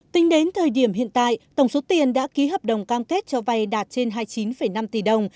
tính đến thời điểm hiện tại tổng số tiền đã ký hợp đồng cam kết cho vay đạt trên hai mươi chín năm tỷ đồng